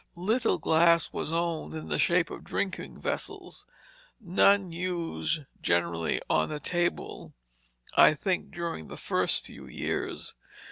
Little glass was owned in the shape of drinking vessels, none used generally on the table, I think, during the first few years.